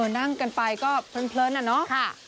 นั่งกันไปก็เพลินอะเนาะ